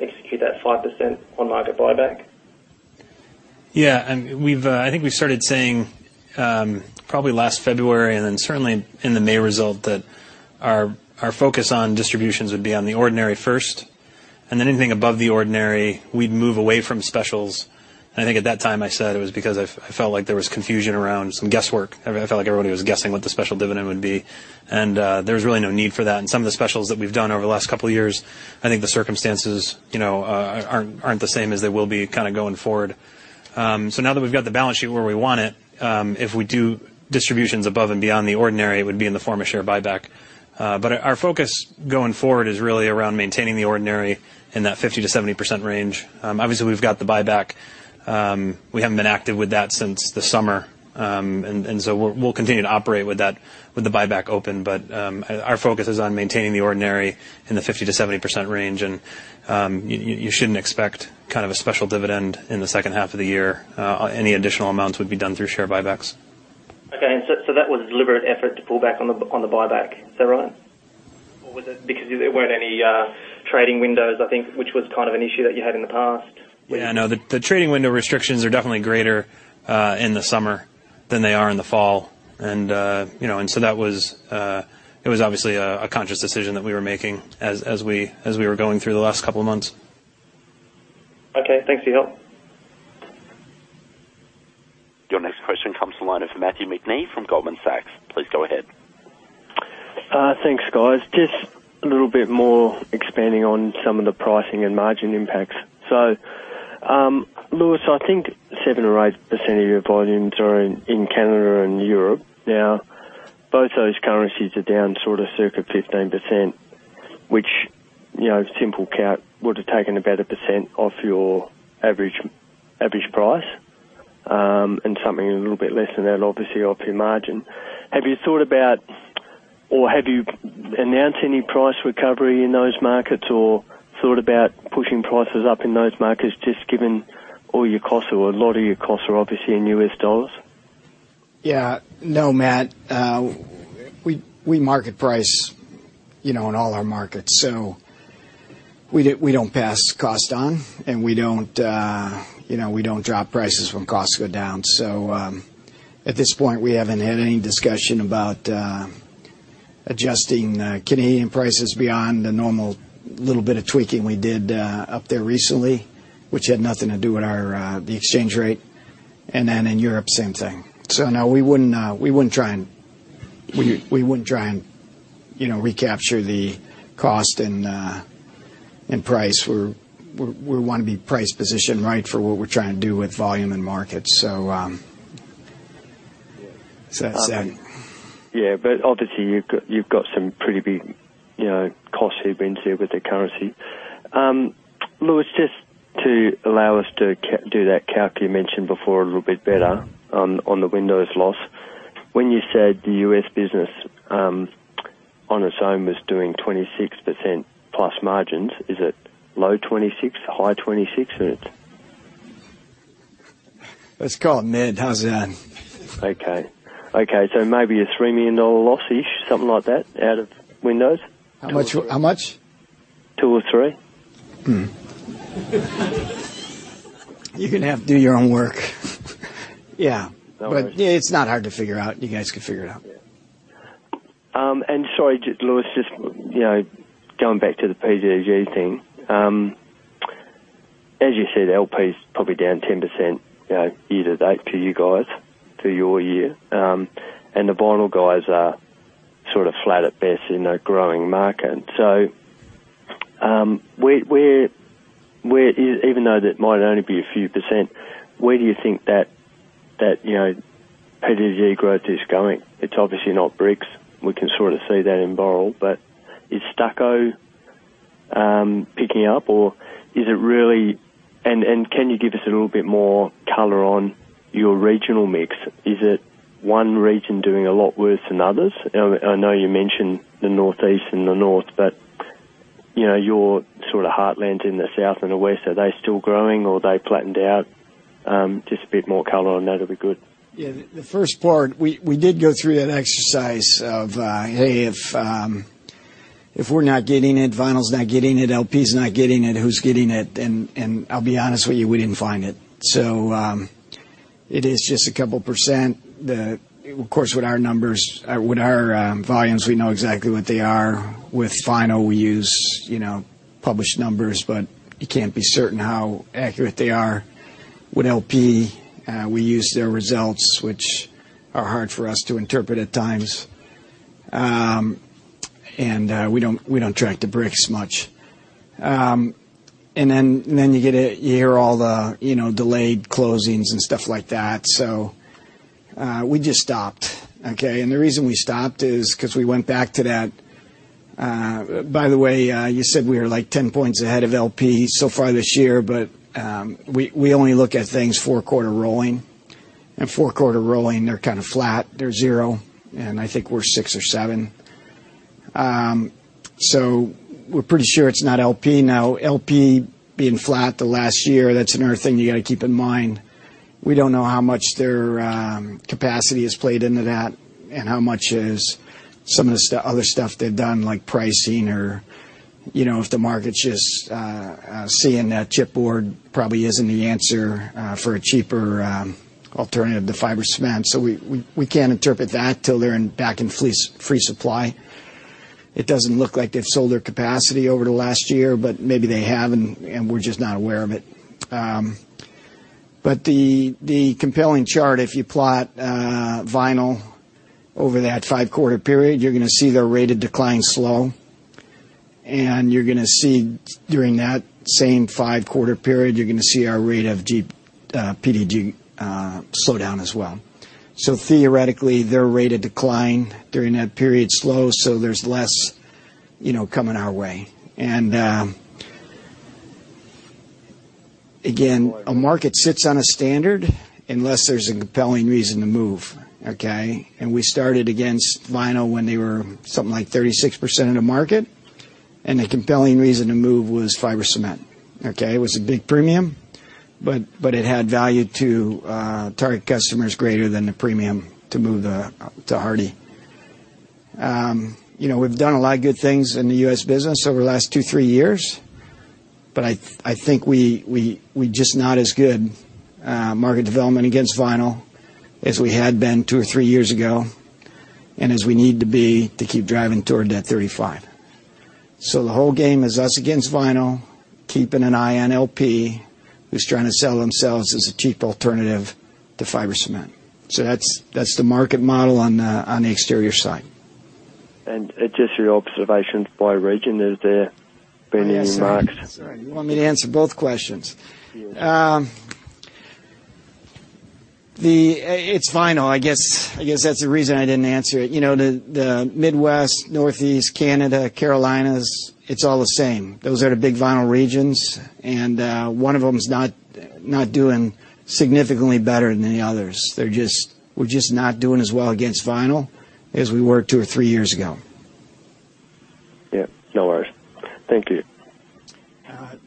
execute that 5% on-market buyback? Yeah, and we've. I think we started saying, probably last February, and then certainly in the May result, that our focus on distributions would be on the ordinary first, and then anything above the ordinary, we'd move away from specials. And I think at that time, I said it was because I felt like there was confusion around some guesswork. I felt like everybody was guessing what the special dividend would be, and there was really no need for that. And some of the specials that we've done over the last couple of years, I think the circumstances, you know, aren't the same as they will be kind of going forward. So now that we've got the balance sheet where we want it, if we do distributions above and beyond the ordinary, it would be in the form of share buyback. But our focus going forward is really around maintaining the ordinary in that 50%-70% range. Obviously, we've got the buyback. We haven't been active with that since the summer. And so we'll continue to operate with that, with the buyback open. But our focus is on maintaining the ordinary in the 50%-70% range, and you shouldn't expect kind of a special dividend in the second half of the year. Any additional amounts would be done through share buybacks. Okay. And so that was a deliberate effort to pull back on the buyback. Is that right? Or was it because there weren't any trading Windows, I think, which was kind of an issue that you had in the past? Yeah, no, the trading window restrictions are definitely greater in the summer than they are in the fall. And, you know, and so that was obviously a conscious decision that we were making as we were going through the last couple of months. Okay, thanks for your help. Your next question comes from the line of Matthew McNee from Goldman Sachs. Please go ahead. Thanks, guys. Just a little bit more expanding on some of the pricing and margin impacts. So, Louis, I think 7 or 8% of your volumes are in Canada and Europe. Now, both those currencies are down sort of circa 15%, which, you know, simple count would have taken about 1% off your average price, and something a little bit less than that, obviously, off your margin. Have you thought about or have you announced any price recovery in those markets or thought about pushing prices up in those markets, just given all your costs or a lot of your costs are obviously in US dollars? Yeah. No, Matt, we market price, you know, in all our markets, so we don't pass cost on, and we don't, you know, we don't drop prices when costs go down. So, at this point, we haven't had any discussion about adjusting Canadian prices beyond the normal little bit of tweaking we did up there recently, which had nothing to do with the exchange rate. And then in Europe, same thing. So no, we wouldn't try and, you know, recapture the cost and price. We wanna be price positioned right for what we're trying to do with volume and market. So, that's that. Yeah, but obviously you've got some pretty big, you know, costs you've been through with the currency. Louis, just to allow us to do that calc you mentioned before a little bit better on the Windows loss. When you said the U.S. business on its own was doing 26% plus margins, is it low 26 to high 26? Let's call it mid. How's that? Okay. Okay, so maybe a $3 million loss-ish, something like that, out of Windows? How much? Two or three. Hmm. You're gonna have to do your own work. Yeah. All right. But it's not hard to figure out. You guys can figure it out. And sorry, just Louis, just, you know, going back to the PDG thing. As you said, LP is probably down 10%, you know, year to date to you guys, to your year. And the vinyl guys are sort of flat at best in a growing market. Where, even though that might only be a few percent, where do you think that, you know, PDG growth is going? It's obviously not bricks. We can sort of see that in Boral, but is stucco picking up, or is it really? And can you give us a little bit more color on your regional mix? Is it one region doing a lot worse than others? I know you mentioned the Northeast and the North, but, you know, your sort of heartland in the South and the West, are they still growing, or they flattened out? Just a bit more color on that'll be good. Yeah, the first part, we did go through that exercise of, hey, if we're not getting it, vinyl's not getting it, LP's not getting it, who's getting it? And I'll be honest with you, we didn't find it. So, it is just a couple%. The... Of course, with our numbers, with our volumes, we know exactly what they are. With vinyl, we use, you know, published numbers, but you can't be certain how accurate they are. With LP, we use their results, which are hard for us to interpret at times. And we don't track the bricks much. And then you get a, you hear all the, you know, delayed closings and stuff like that, so we just stopped. Okay? And the reason we stopped is 'cause we went back to that. By the way, you said we were, like, 10 points ahead of LP so far this year, but we only look at things four-quarter rolling. And four-quarter rolling, they're kind of flat. They're zero, and I think we're six or seven. So we're pretty sure it's not LP. Now, LP being flat the last year, that's another thing you gotta keep in mind. We don't know how much their capacity has played into that, and how much is some of the other stuff they've done, like pricing or, you know, if the market's just seeing that chipboard probably isn't the answer for a cheaper alternative to fiber cement. So we can't interpret that till they're back in free supply. It doesn't look like they've sold their capacity over the last year, but maybe they have, and we're just not aware of it. But the compelling chart, if you plot vinyl over that five-quarter period, you're gonna see their rate of decline slow, and you're gonna see, during that same five-quarter period, you're gonna see our rate of PDG slow down as well. So theoretically, their rate of decline during that period is slow, so there's less, you know, coming our way. And again, a market sits on a standard unless there's a compelling reason to move, okay? And we started against vinyl when they were something like 36% of the market, and the compelling reason to move was fiber cement. Okay? It was a big premium, but it had value to target customers greater than the premium to move to Hardie. You know, we've done a lot of good things in the U.S. business over the last two, three years, but I think we're just not as good market development against vinyl as we had been two or three years ago, and as we need to be to keep driving toward that thirty-five. So the whole game is us against vinyl, keeping an eye on LP, who's trying to sell themselves as a cheap alternative to fiber cement. So that's the market model on the exterior side. Just your observations by region, is there any markets? Sorry, you want me to answer both questions? Yes. It's vinyl. I guess, I guess that's the reason I didn't answer it. You know, the Midwest, Northeast, Canada, Carolinas, it's all the same. Those are the big vinyl regions, and one of them is not doing significantly better than the others. They're just... We're just not doing as well against vinyl as we were two or three years ago. Yeah, no worries. Thank you.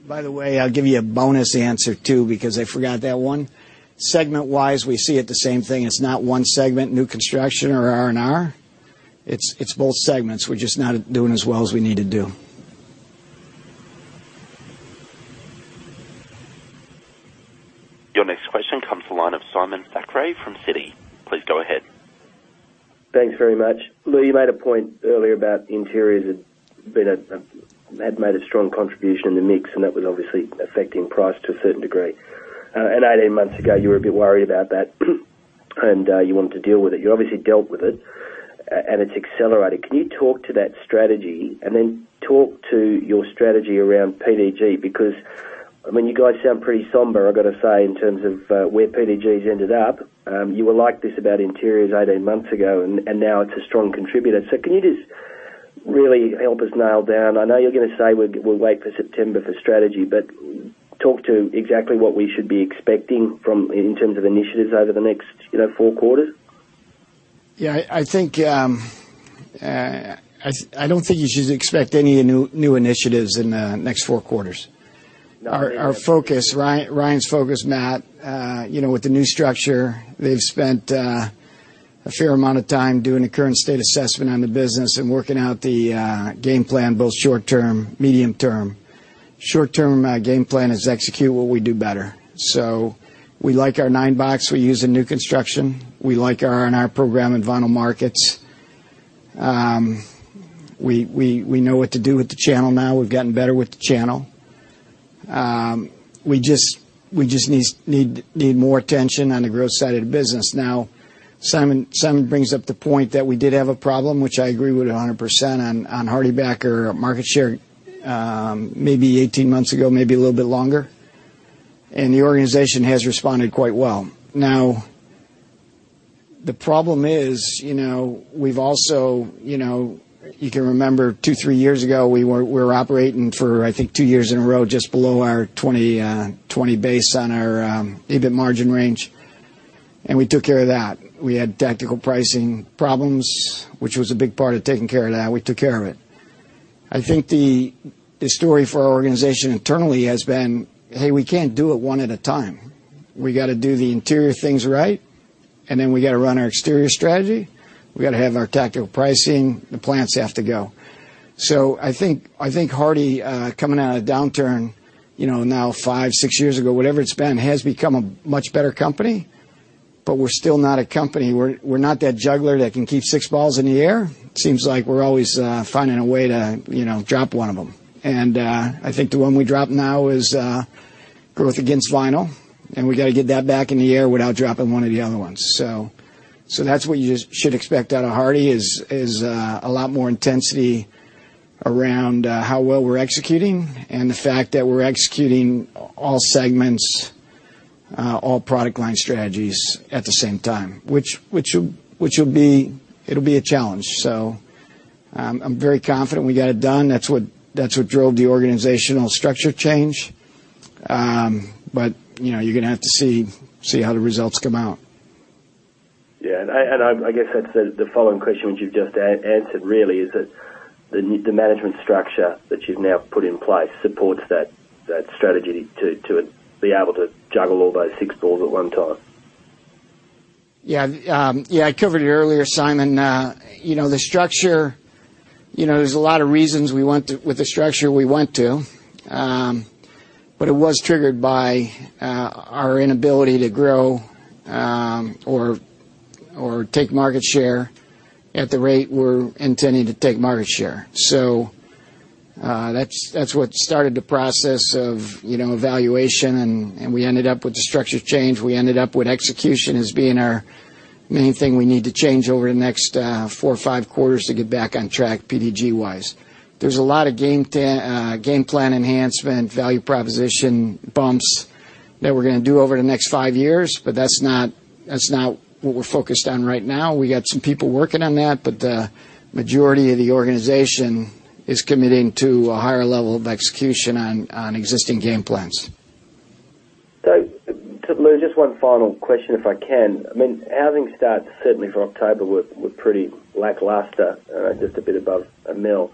By the way, I'll give you a bonus answer, too, because I forgot that one. Segment-wise, we see it the same thing. It's not one segment, new construction or R&R. It's both segments. We're just not doing as well as we need to do. Your next question comes from the line of Simon Thackray from Citi. Please go ahead. Thanks very much. Lou, you made a point earlier about interiors had made a strong contribution in the mix, and that was obviously affecting price to a certain degree, and eighteen months ago, you were a bit worried about that, and you wanted to deal with it. You obviously dealt with it, and it's accelerated. Can you talk to that strategy and then talk to your strategy around PDG? Because, I mean, you guys sound pretty somber, I've got to say, in terms of where PDG's ended up. You were like this about interiors eighteen months ago, and now it's a strong contributor. So can you just really help us nail down? I know you're gonna say we'll wait for September for strategy, but talk to exactly what we should be expecting from in terms of initiatives over the next, you know, four quarters. Yeah, I think I don't think you should expect any new initiatives in the next four quarters. All right. Our focus, Ryan's focus, Matt, you know, with the new structure, they've spent a fair amount of time doing a current state assessment on the business and working out the game plan, both short term, medium term. Short-term game plan is execute what we do better. So we like our 9-box, we use in new construction. We like our R&R program in vinyl markets. We know what to do with the channel now. We've gotten better with the channel. We just need more attention on the growth side of the business. Now, Simon brings up the point that we did have a problem, which I agree with 100% on, on HardieBacker market share, maybe eighteen months ago, maybe a little bit longer, and the organization has responded quite well. Now, the problem is, you know, we've also, you know, you can remember two, three years ago, we were operating for, I think two years in a row, just below our twenty, twenty base on our EBIT margin range, and we took care of that. We had tactical pricing problems, which was a big part of taking care of that. We took care of it. I think the story for our organization internally has been, hey, we can't do it one at a time. We gotta do the interior things right, and then we gotta run our exterior strategy. We gotta have our tactical pricing, the plants have to go. So I think Hardie coming out of a downturn, you know, now five, six years ago, whatever it's been, has become a much better company, but we're still not a company—we're not that juggler that can keep six balls in the air. It seems like we're always finding a way to, you know, drop one of them. And I think the one we dropped now is growth against vinyl, and we gotta get that back in the air without dropping one of the other ones. So that's what you just should expect out of Hardie, is a lot more intensity around how well we're executing, and the fact that we're executing all segments, all product line strategies at the same time. Which will be... It'll be a challenge. So, I'm very confident we can get it done. That's what drove the organizational structure change. But, you know, you're gonna have to see how the results come out. Yeah, and I guess that's the following question, which you've just answered really, is that the management structure that you've now put in place supports that strategy to be able to juggle all those six balls at one time? Yeah. Yeah, I covered it earlier, Simon. You know, the structure, you know, there's a lot of reasons we went with the structure we went to, but it was triggered by our inability to grow, or, or take market share at the rate we're intending to take market share. So, that's, that's what started the process of, you know, evaluation, and, and we ended up with the structure change, we ended up with execution as being our main thing we need to change over the next four or five quarters to get back on track, PDG-wise. There's a lot of game plan, game plan enhancement, value proposition bumps that we're gonna do over the next five years, but that's not, that's not what we're focused on right now. We got some people working on that, but the majority of the organization is committing to a higher level of execution on, on existing game plans. So Lou, just one final question, if I can. I mean, housing starts, certainly from October, were pretty lackluster, just a bit above a million.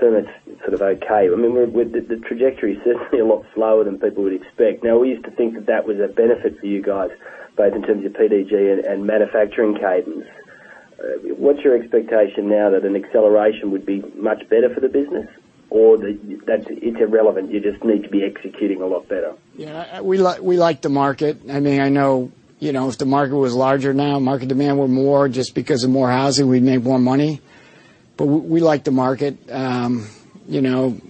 So that's sort of okay. I mean, with the trajectory is certainly a lot slower than people would expect. Now, we used to think that that was a benefit for you guys, both in terms of PDG and manufacturing cadence. What's your expectation now that an acceleration would be much better for the business? Or that it's irrelevant, you just need to be executing a lot better? Yeah, we like the market. I mean, I know, you know, if the market was larger now, market demand were more, just because of more housing, we'd make more money. But we like the market. You know,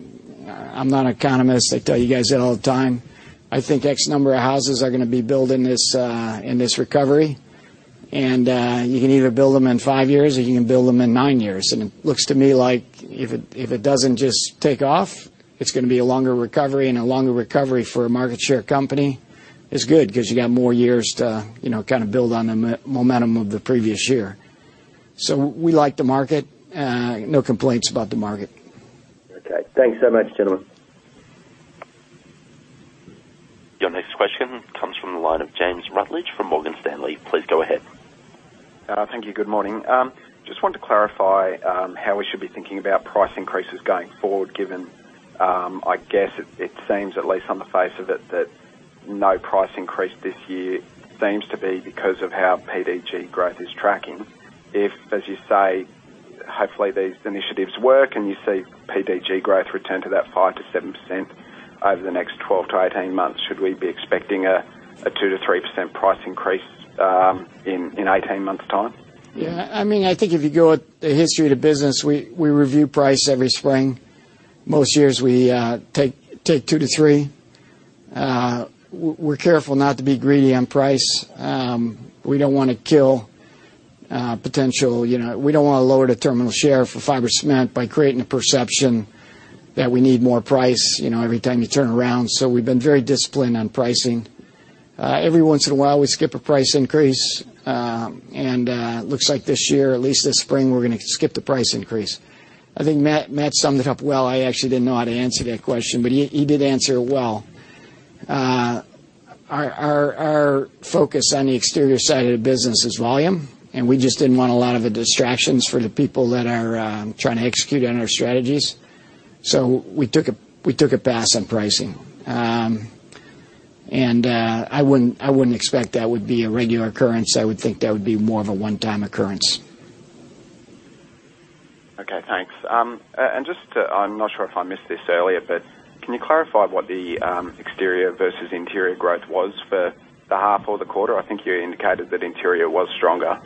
I'm not an economist, I tell you guys that all the time. I think X number of houses are gonna be built in this recovery, and you can either build them in five years or you can build them in nine years. And it looks to me like if it doesn't just take off, it's gonna be a longer recovery. And a longer recovery for a market share company is good, 'cause you got more years to, you know, kind of build on the momentum of the previous year. So we like the market, no complaints about the market. Okay. Thanks so much, gentlemen. Your next question comes from the line of James Rutledge from Morgan Stanley. Please go ahead. Thank you. Good morning. Just wanted to clarify, how we should be thinking about price increases going forward, given, I guess it seems, at least on the face of it, that no price increase this year seems to be because of how PDG growth is tracking. If, as you say, hopefully these initiatives work, and you see PDG growth return to that 5%-7% over the next 12-18 months, should we be expecting a 2%-3% price increase, in 18 months' time? Yeah, I mean, I think if you go with the history of the business, we review price every spring. Most years we take two to three. We're careful not to be greedy on price. We don't wanna kill potential, you know. We don't wanna lower the terminal share for fiber cement by creating a perception that we need more price, you know, every time you turn around. So we've been very disciplined on pricing. Every once in a while, we skip a price increase, and looks like this year, at least this spring, we're gonna skip the price increase. I think Matt summed it up well. I actually didn't know how to answer that question, but he did answer it well. Our focus on the exterior side of the business is volume, and we just didn't want a lot of the distractions for the people that are trying to execute on our strategies. So we took a pass on pricing. And I wouldn't expect that would be a regular occurrence. I would think that would be more of a one-time occurrence. Okay, thanks. And just to... I'm not sure if I missed this earlier, but can you clarify what the exterior versus interior growth was for the half or the quarter? I think you indicated that interior was stronger.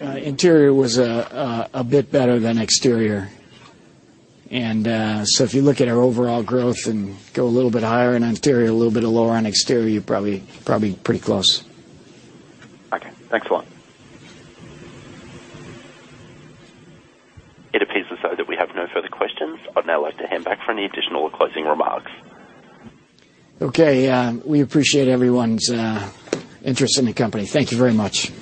Interior was a bit better than exterior, and so if you look at our overall growth, and go a little bit higher on interior, a little bit lower on exterior, you're probably pretty close. Okay, thanks a lot. It appears as though that we have no further questions. I'd now like to hand back for any additional closing remarks. Okay. We appreciate everyone's interest in the company. Thank you very much.